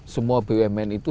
semua bumn itu